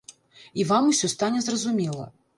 І вам усё стане зразумела.